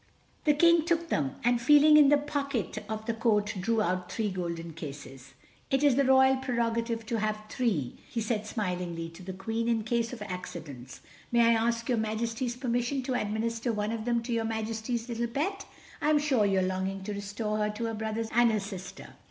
The King took them, and feeling in the pocket of the coat drew out three golden cases. "It is the royal prerogative to have three," he said smilingly to the Queen, "in case of accidents. May I ask your Majesty's permission to administer one of them to your Majesty's little pet. I am sure you are longing to restore her to her brothers and her sister."